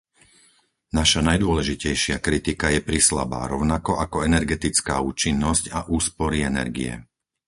Naša najdôležitejšia kritika je prislabá rovnako ako energetická účinnosť a úspory energie.